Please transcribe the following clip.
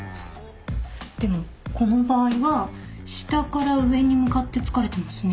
でもこの場合は下から上に向かって突かれてますね。